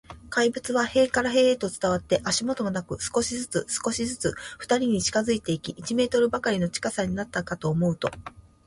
怪物は塀から塀へと伝わって、足音もなく、少しずつ、少しずつ、ふたりに近づいていき、一メートルばかりの近さになったかと思うと、